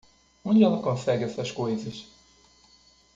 Onde ela consegue essas coisas?